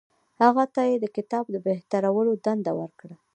هغه ته یې د کتاب د بهترولو دنده ورکړه.